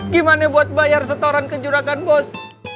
gimana buat bayar setoran ke juragan bos